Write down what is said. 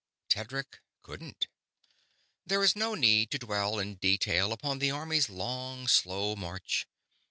Tedric couldn't. There is no need to dwell in detail upon the army's long, slow march.